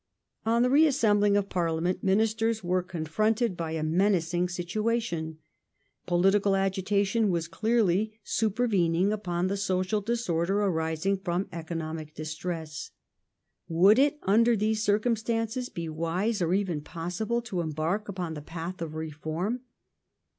On the reassembling of Parliament, Ministers were confronted The policy by a menacing situation. Political agitation was clearly super Q^^g^^^, vening upon the social disorder arising from economic distress, ment, 1817 Would it under these circumstances be wise, or even possible, to embark upon the path of reform